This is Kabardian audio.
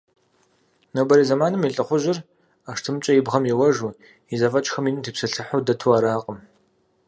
Нобэрей зэманым и лӏыхъужьыр ӏэштӏымкӏэ и бгъэм еуэжу, и зэфӏэкӏхэм ину тепсэлъыхьу дэту аракъым.